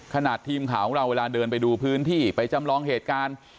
ทีมข่าวของเราเวลาเดินไปดูพื้นที่ไปจำลองเหตุการณ์